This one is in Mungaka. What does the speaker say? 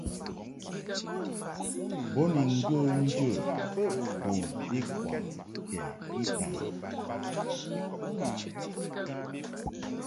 Bo ni ŋgə̌ njə̌ bun ikwa kɛ itan.